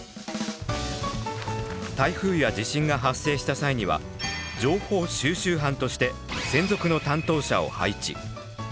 台風や地震が発生した際には情報収集班として専属の担当者を配置。